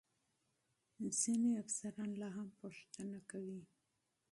ځینې افسران لا هم پوښتنه کوي.